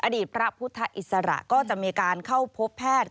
อดีตพระพุทธอิสระก็จะมีการเข้าพบแพทย์